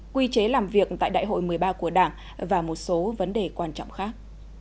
quy chế làm việc tại đại hội một mươi ba của đảng và một số vấn đề quan trọng khác